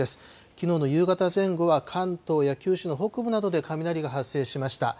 きのうの夕方前後は、関東や九州の北部などで雷が発生しました。